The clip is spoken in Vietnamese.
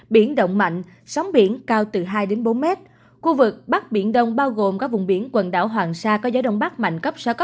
biển động mạnh sóng biển cao từ hai đến bốn mét khu vực bắc biển đông bao gồm các vùng biển quần đảo hoàng sa có gió đông bắc mạnh cấp sáu